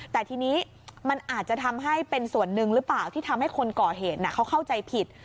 แต่ทีนี้มันอาจจะทำให้เป็นส่วนหนึ่งหรือเปล่าที่ทำให้คนก่อเหตุเขาเข้าใจผิด